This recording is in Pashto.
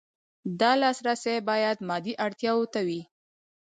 دا لاسرسی باید مادي اړتیاوو ته وي.